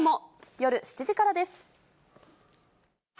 夜７時からです。